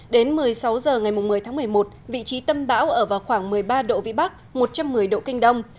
đến một mươi sáu h ngày một mươi tháng một mươi một vị trí tâm bão ở vào khoảng một mươi ba độ vĩ bắc một trăm một mươi độ kinh đông